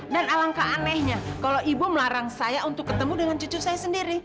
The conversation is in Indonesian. dan alangkah anehnya kalau ibu melarang saya untuk ketemu dengan cucu saya sendiri